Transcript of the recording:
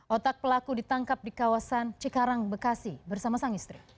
otak pelaku ditangkap di kawasan cikarang bekasi bersama sang istri